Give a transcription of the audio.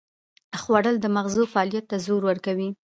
خوړل د مغزو فعالیت ته زور ورکوي